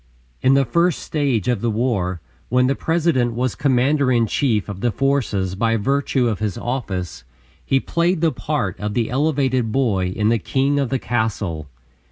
In the first stage of the war, when the President was commander in chief of the forces by virtue of his office, he played the part of the elevated boy in "The King of the Castle."